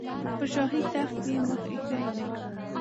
په شاهي تخت یې مخ ایښی دی.